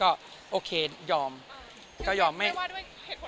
ไม่ว่าด้วยเหตุผลอะไรคือเราก็ยังยอมถอยมา